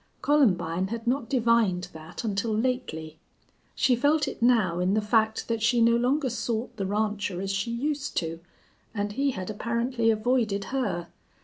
Columbine had not divined that until lately. She felt it now in the fact that she no longer sought the rancher as she used to, and he had apparently avoided her.